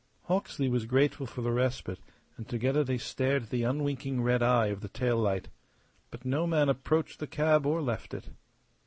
Hawksley was grateful for the respite; and together they stared at the unwinking red eye of the tail light. But no man approached the cab or left it.